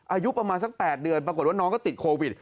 อายุประมาณสัก๘เดือนปรากฏว่าน้องก็ติดโควิด